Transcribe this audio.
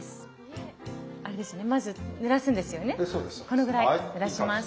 このぐらいぬらします。